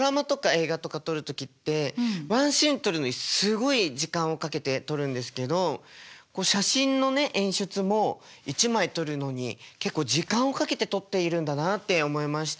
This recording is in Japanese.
映画とか撮る時ってワンシーン撮るのにすごい時間をかけて撮るんですけど写真のね演出も一枚撮るのに結構時間をかけて撮っているんだなって思いました。